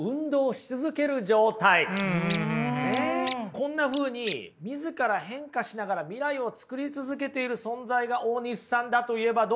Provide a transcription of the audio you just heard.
こんなふうに自ら変化しながら未来を作り続けている存在が大西さんだといえばどうでしょう？